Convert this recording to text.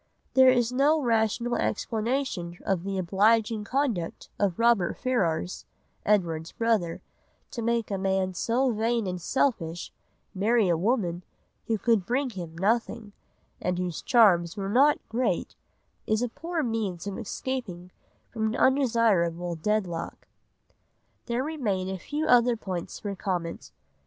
There is no rational explanation of the obliging conduct of Robert Ferrars, Edward's brother; to make a man so vain and selfish marry a woman who could bring him nothing, and whose charms were not great, is a poor means of escaping from an undesirable deadlock. There remain a few other points for comment.